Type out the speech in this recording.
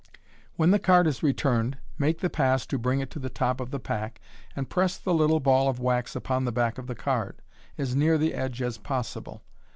When the card is returned, make the pass to bring it to the top of the pack, and press the little ball of wax upon the back of the card, as near the edge as possible.